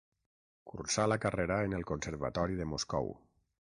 Cursà la carrera en el Conservatori de Moscou.